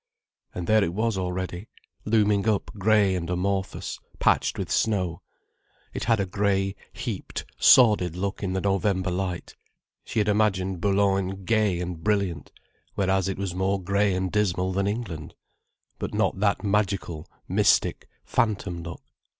And there it was already, looming up grey and amorphous, patched with snow. It had a grey, heaped, sordid look in the November light. She had imagined Boulogne gay and brilliant. Whereas it was more grey and dismal than England. But not that magical, mystic, phantom look.